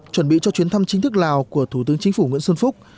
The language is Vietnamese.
chuẩn bị cho chuyến thăm chính thức lào của thủ tướng chính phủ nguyễn xuân phúc